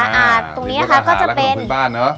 อาหารและขนมพื้นบ้านเนอะ